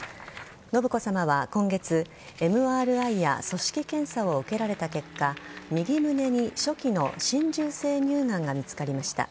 信子さまは今月ＭＲＩや組織検査を受けられた結果右胸に初期の浸潤性乳がんが見つかりました。